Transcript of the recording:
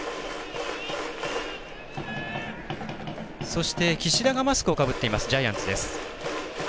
そして、岸田がマスクをかぶっていますジャイアンツです。